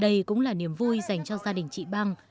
đây cũng là niềm vui dành cho gia đình chị băng